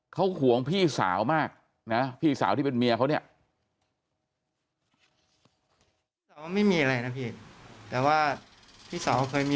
เขาห่วงพี่สาวมากนะพี่สาวที่เป็นเมียเขาเนี่ย